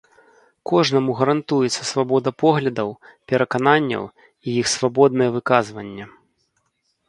Кожнаму гарантуецца свабода поглядаў, перакананняў і іх свабоднае выказванне.